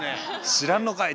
知らんのかい！